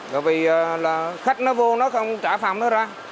bởi vì là khách nó vô nó không trả phòng nó ra